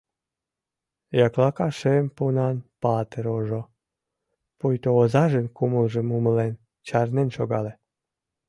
Яклака шем пунан патыр ожо, пуйто озажын кумылжым умылен, чарнен шогале.